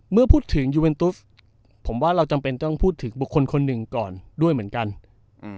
เมื่อพูดถึงยูเอ็นตุ๊สผมว่าเราจำเป็นต้องพูดถึงบุคคลคนหนึ่งก่อนด้วยเหมือนกันอืม